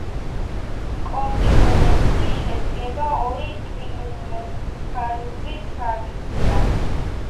კომპლექსი შედგება ორი ტრიუმფალური თაღისაგან.